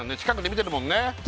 近くで見てるもんね